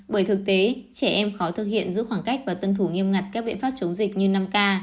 bởi thực tế trẻ em khó thực hiện giữ khoảng cách và tân thủ nghiêm ngặt các biện pháp chống dịch như năm k